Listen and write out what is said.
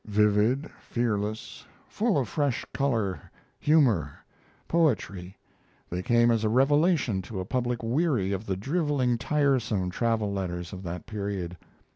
Vivid, fearless, full of fresh color, humor, poetry, they came as a revelation to a public weary of the driveling, tiresome travel letters of that period.